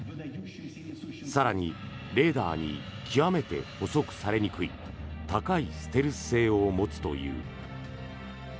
更に、レーダーに極めて捕捉されにくい高いステルス性を持つという。